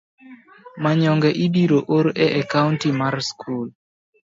Manyonge ibiro or e akaunt mar skul.